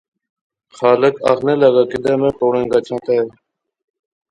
خالق آخنے لاغا کیدے میں پوڑں کچھاں تے؟